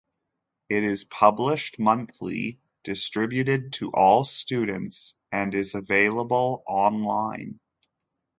It is published monthly, distributed to all students, and is available online.